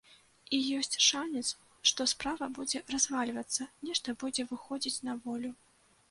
І ёсць шанец, што справа будзе развальвацца, нешта будзе выходзіць на волю.